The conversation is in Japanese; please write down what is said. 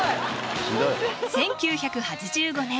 １９８５年